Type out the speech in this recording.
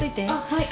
はい。